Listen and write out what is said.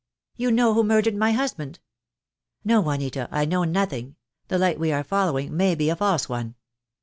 "You know who murdered my husband?" "No, Juanita, I know nothing. The light we are following may be a false one."